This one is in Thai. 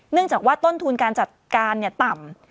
เนื่องจากว่าต้นทุนการจัดการต่ำ